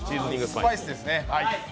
スパイスですね。